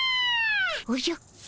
おじゃ。